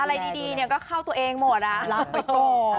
อะไรดีดีเนี้ยก็เข้าตัวเองหมดอ่ะรักไปต่อ